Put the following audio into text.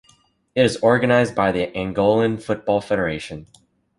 It is organized by the Angolan Football Federation.